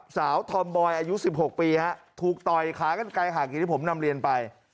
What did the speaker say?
สาวทอมบอยอายุ๑๖ปีถูกต่อยขากันไกลกี่ที่ผมนำเรียนไป